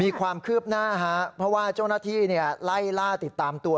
มีความคืบหน้าฮะเพราะว่าเจ้าหน้าที่ไล่ล่าติดตามตัว